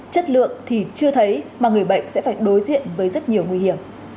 chất lượng thì chưa thấy mà người bệnh sẽ phải đối diện với rất nhiều nguy hiểm